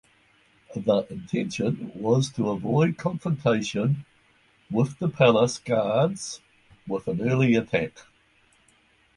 The intention was to avoid confrontation with the palace guards with an early attack.